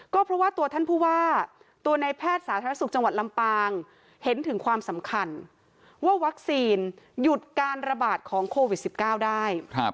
ก็เพราะว่าตัวท่านผู้ว่าตัวในแพทย์สาธารณสุขจังหวัดลำปางเห็นถึงความสำคัญว่าวัคซีนหยุดการระบาดของโควิด๑๙ได้